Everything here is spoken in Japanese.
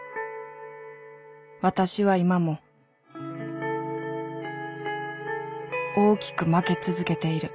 私は今も大きく負け続けている